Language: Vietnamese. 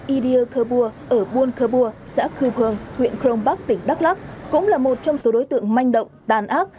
idia khơ bua ở buôn khơ bua xã khư bường huyện krong bắc tỉnh đắk lắk cũng là một trong số đối tượng manh động tàn ác